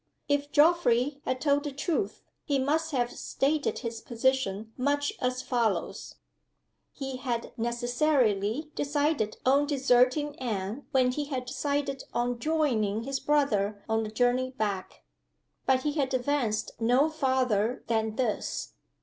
If Geoffrey had told the truth, he must have stated his position much as follows: He had necessarily decided on deserting Anne when he had decided on joining his brother on the journey back. But he had advanced no farther than this.